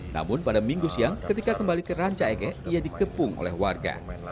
namun pada minggu siang ketika kembali ke ranca ege ia dikepung oleh warga